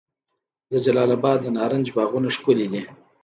د جلال اباد د نارنج باغونه ښکلي دي.